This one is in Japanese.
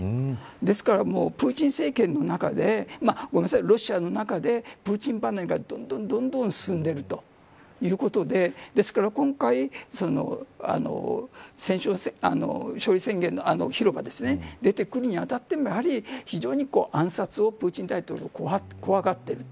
ですからプーチン政権の中でロシアの中でプーチン離れがどんどん進んでいるということでですから、今回勝利宣言の広場ですね出てくるとなっても非常に、暗殺をプーチン大統領が怖がっている。